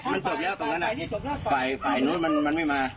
มันจบแล้วตรงนั้นฝ่ายนู้นมันไม่มา